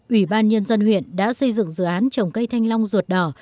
ủy ban nhân dân huyện đã xây dựng dự án trồng cây thanh long ruột đỏ